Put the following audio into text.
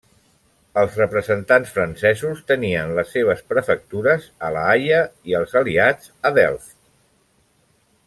Els representants francesos tenien les seves prefectures a La Haia i els aliats a Delft.